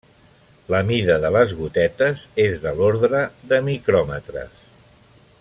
La mida de les gotetes és de l'ordre de micròmetres.